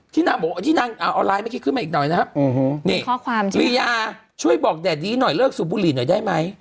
ที่นางเอาไลน์ขึ้นมาอีกหน่อยนะครับนี่ลียาช่วยบอกแดดดีหน่อยเลิกสูบบุหรี่หน่อยได้ไหม